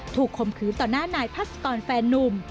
คมขืนต่อหน้านายพัศกรแฟนนุ่ม